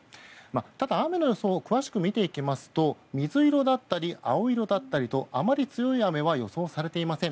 ただ、雨の予想を詳しく見ていきますと水色だったり青色だったりとあまり強い雨は予想されていません。